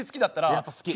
やっぱ好き。